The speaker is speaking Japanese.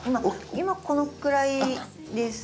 今このくらいです。